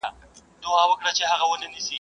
ستاسو سره لیدل زما لپاره یو غیر منتظره خبر و.